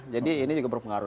jadi ini juga berpengaruh